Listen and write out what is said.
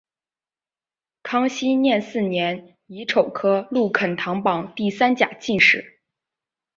康熙廿四年乙丑科陆肯堂榜第三甲进士。